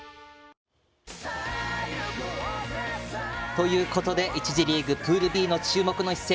ということで１次リーグプールＢの注目の一戦